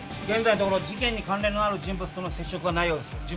現在のところ事件の関連のある人物との接触はないようです。